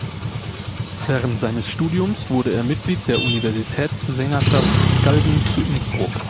Während seines Studiums wurde er Mitglied der Universitätssängerschaft Skalden zu Innsbruck.